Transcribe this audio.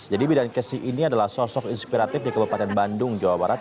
jadi bidan kesi ini adalah sosok inspiratif di kabupaten bandung jawa barat